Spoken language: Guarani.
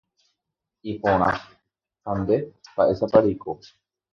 Iporã. Ha nde. Mba’éichapa reiko.